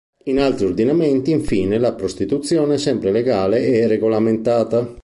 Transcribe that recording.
In altri ordinamenti infine la prostituzione è sempre legale e regolamentata.